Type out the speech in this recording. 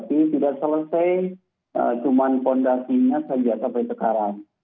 ini sudah selesai cuma fondasinya sejak sampai sekarang